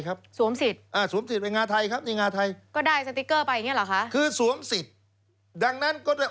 ก็ได้สามารถสามารถแสดงตัว